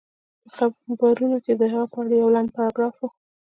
په خبرونو کې د هغې په اړه يو لنډ پاراګراف و